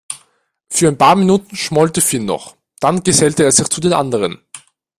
Für ein paar Minuten schmollte Finn noch, dann gesellte er sich zu den anderen.